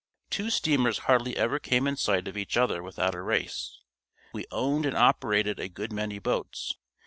Two steamers hardly ever came in sight of each other without a race. We owned and operated a good many boats.